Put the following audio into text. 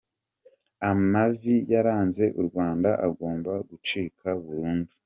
Amabi yaranze u Rwanda agomba gucika burundu.